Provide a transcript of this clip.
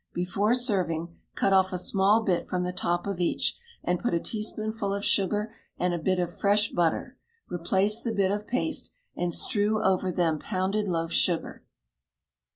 Before serving, cut off a small bit from the top of each, and put a teaspoonful of sugar and a bit of fresh butter; replace the bit of paste, and strew over them pounded loaf sugar.